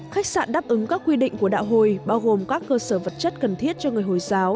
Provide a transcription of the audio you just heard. khách sạn đáp ứng các quy định của đạo hồi bao gồm các cơ sở vật chất cần thiết cho người hồi giáo